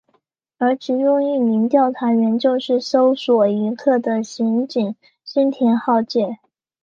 而其中一名调查员就是搜查一课的刑警新田浩介。